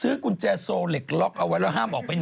กุญแจโซเหล็กล็อกเอาไว้แล้วห้ามออกไปไหน